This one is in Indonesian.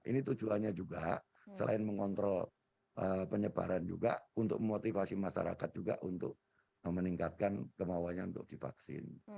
ini tujuannya juga selain mengontrol penyebaran juga untuk memotivasi masyarakat juga untuk meningkatkan kemauannya untuk divaksin